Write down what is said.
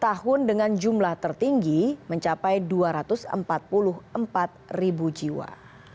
tahun dengan jumlah tertinggi mencapai dua ratus empat puluh empat ribu jiwa